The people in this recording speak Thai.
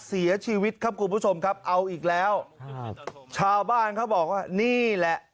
เสียชีวิตครับคุณผู้ชมครับเอาอีกแล้วครับชาวบ้านเขาบอกว่านี่แหละ